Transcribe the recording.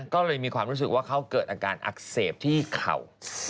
ก็เลยมีความรู้สึกว่าเขาเกิดอาการอักเสบที่เข่า